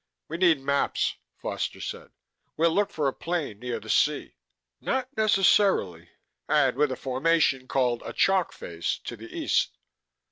"We need maps," Foster said. "We'll look for a plain near the sea " "Not necessarily." " and with a formation called a chalk face to the east."